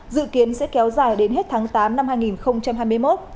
dự kiến sẽ kéo dài đến hết tháng tám năm hai nghìn hai mươi một